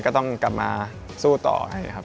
ก็ต้องกลับมาสู้ต่อให้ครับ